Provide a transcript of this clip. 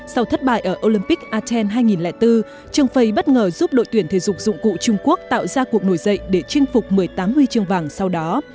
sau thất bại ở olympic athen hai nghìn bốn trương phây bất ngờ giúp đội tuyển thể dục dụng cụ trung quốc tạo ra cuộc nổi dậy để chinh phục một mươi tám huy chương vàng sau đó